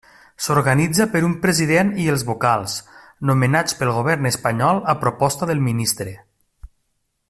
S'organitza per un President i els Vocals, nomenats pel govern espanyol a proposta del ministre.